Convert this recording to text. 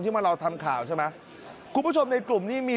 ที่มาแล้วทำข่าวใช่มั้ย